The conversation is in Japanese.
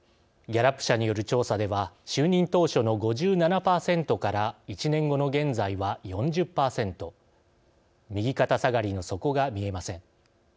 ギャラップ社による調査では就任当初の５７％から１年後の現在は４０％右肩下がりの底が見えません。